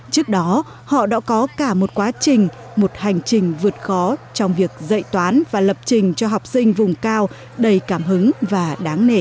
trước đó họ đã có cả một quá trình một hành trình vượt khó trong việc dạy toán và lập trình cho học sinh vùng cao đầy cảm hứng và đáng nể